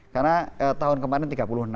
karena tahun kemarin tiga puluh enam